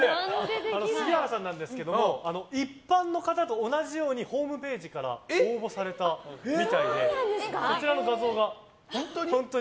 杉原さんですが一般の方と同じようにホームページから応募されたみたいでこちらの画像が。